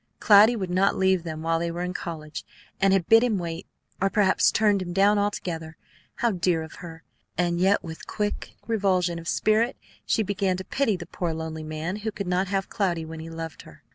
Cloudy would not leave them while they were in college, and had bid him wait, or perhaps turned him down altogether! How dear of her! And yet with quick revulsion of spirit she began to pity the poor, lonely man who could not have Cloudy when he loved her.